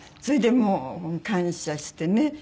それでもう感謝してね。